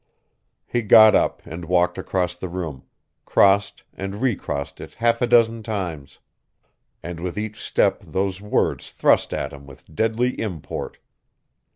He got up and walked across the room, crossed and recrossed it half a dozen times. And with each step those words thrust at him with deadly import.